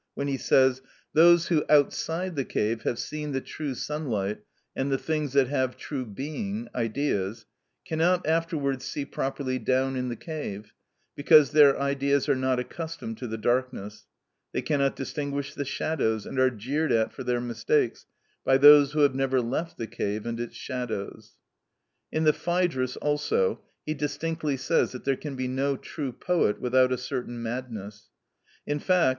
7), when he says: "Those who, outside the cave, have seen the true sunlight and the things that have true being (Ideas), cannot afterwards see properly down in the cave, because their eyes are not accustomed to the darkness; they cannot distinguish the shadows, and are jeered at for their mistakes by those who have never left the cave and its shadows." In the "Phædrus" also (p. 317), he distinctly says that there can be no true poet without a certain madness; in fact, (p.